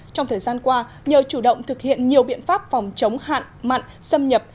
trong thời gian qua nhờ chủ động thực hiện nhiều biện pháp phòng chống hạn mặn xâm nhập